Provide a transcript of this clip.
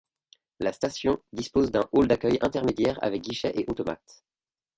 La station dispose d'un hall d'accueil intermédiaire avec guichet et automates.